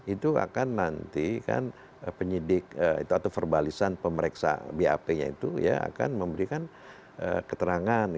itu akan nanti kan penyidik atau verbalisan pemeriksa bap nya itu ya akan memberikan keterangan